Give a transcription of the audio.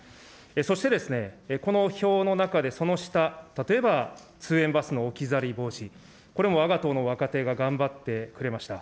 そしてですね、この表の中で、その下、例えば通園バスの置き去り防止、これもわが党の若手が頑張ってくれました。